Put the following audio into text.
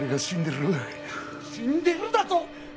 死んでるだと？